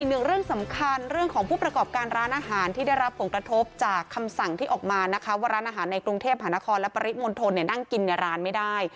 หนึ่งเรื่องสำคัญเรื่องของผู้ประกอบการร้านอาหารที่ได้รับผลกระทบจากคำสั่งที่ออกมานะคะว่าร้านอาหารในกรุงเทพหานครและปริมณฑลนั่งกินในร้านไม่ได้